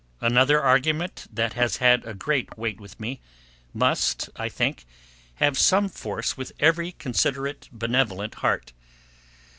Another argument that has had a great weight with me, must, I think, have some force with every considerate benevolent heart.